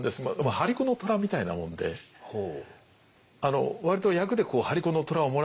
張り子の虎みたいなもので割と役で張り子の虎をもらうじゃないですか。